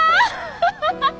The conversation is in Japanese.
ハハハハ！